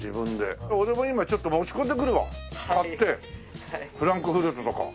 じゃあ俺も今ちょっと持ち込んでくるわ買ってフランクフルトとか。